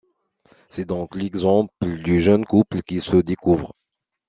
C'est donc l'exemple du jeune couple qui se découvre.